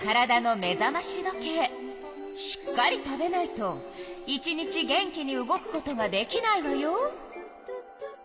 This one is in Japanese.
しっかり食べないと１日元気に動くことができないわよ。